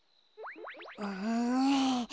うん。